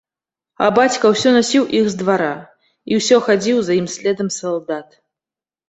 А бацька ўсё насіў іх з двара, і ўсё хадзіў за ім следам салдат.